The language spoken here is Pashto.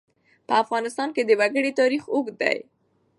په افغانستان کې د وګړي تاریخ اوږد دی.